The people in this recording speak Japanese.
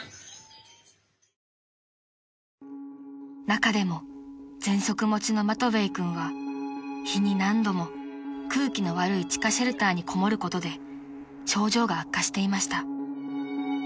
［中でもぜんそく持ちのマトヴェイ君は日に何度も空気の悪い地下シェルターにこもることで症状が悪化していました］